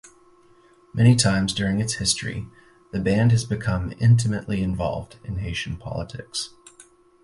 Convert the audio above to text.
Many times during its history, the band has become intimately involved in Haitian politics.